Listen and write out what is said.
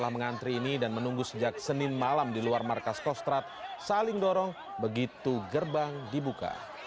masa ini saya di belakang ini pak